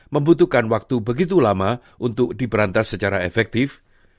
membutuhkan waktu begitu lama untuk diberantas secara efektif